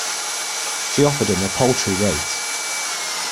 She offered him a paltry rate.